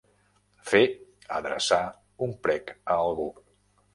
Fer, adreçar, un prec a algú.